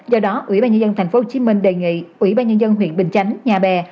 do đó ủy ban nhân dân tp hcm đề nghị ủy ban nhân dân huyện bình chánh nhà bè